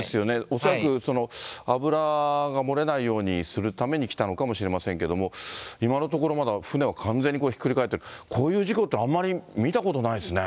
恐らく油が漏れないようにするために来たのかもしれませんけれども、今のところまだ、船は完全にこれ、ひっくり返ってる、こういう事故ってあんまり見たことないですね。